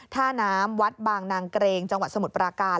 ท่าน้ำวัดบางนางเกรงจังหวัดสมุทรปราการ